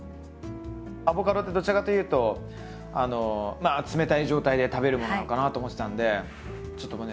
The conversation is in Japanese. アボカドってどちらかっていうとまあ冷たい状態で食べるものなのかなって思ってたんでちょっとこうね